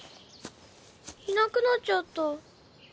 いなくなっちゃった。